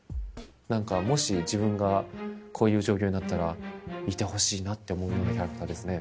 何かもし自分がこういう状況になったらいてほしいなって思うようなキャラクターですね